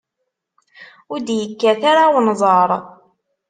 Ur d-yekkat ara unẓar.